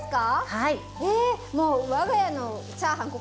はい。